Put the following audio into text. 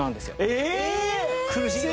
えっ！